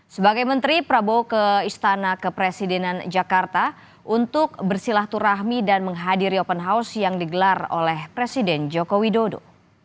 sebagai menteri prabowo ke istana kepresidenan jakarta untuk bersilaturahmi dan menghadiri open house yang digelar oleh presiden joko widodo